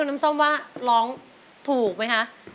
คุณน้ำซ่อมว่าร้องถูกไหมคะ